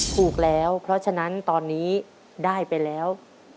ถูกแล้วเพราะฉะนั้นตอนนี้ได้ไปแล้ว